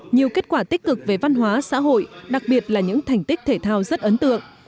nhiều kết quả tích cực về văn hóa xã hội đặc biệt là những thành tích thể thao rất ấn tượng